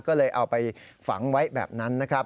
ก็เลยเอาไปฝังไว้แบบนั้นนะครับ